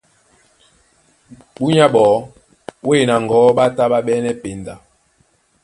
Búnyá ɓɔɔ́ wêy na ŋgɔ̌ ɓá tá ɓá ɓɛ́nɛ́ penda.